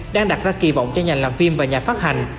đang đặt ra kỳ vọng cho nhà làm phim và nhà phát hành